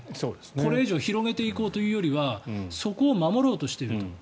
これ以上広げていこうというよりはそこを守ろうとしていると。